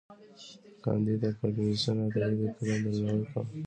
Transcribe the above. کانديد اکاډميسن عطايي د قلم درناوی کاوه.